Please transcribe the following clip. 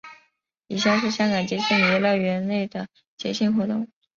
以下是香港迪士尼乐园内的节庆活动。